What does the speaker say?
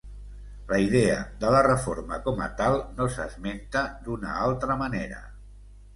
La idea de la reforma com a tal no s'esmenta d'una altra manera.